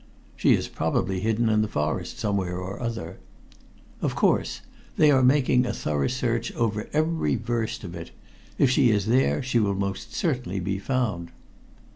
"She is probably hidden in the forest, somewhere or other." "Of course. They are making a thorough search over every verst of it. If she is there, she will most certainly be found."